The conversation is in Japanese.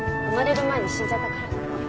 生まれる前に死んじゃったから。